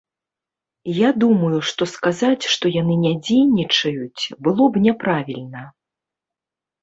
Я думаю, што сказаць, што яны не дзейнічаюць, было б няправільна.